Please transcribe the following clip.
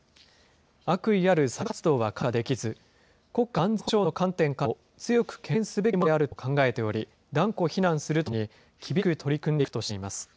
悪意あるサイバー活動は看過できず、国家安全保障の観点からも、強く懸念すべきものであると考えており、断固非難するとともに、厳しく取り組んでいくとしています。